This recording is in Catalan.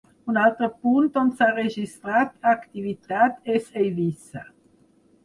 Un altre punt on s’ha registrat activitat és Eivissa.